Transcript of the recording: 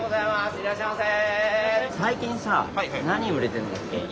いらっしゃいませ！